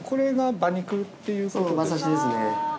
馬刺しですね。